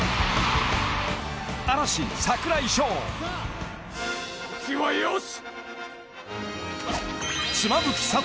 嵐・櫻井翔時はよし！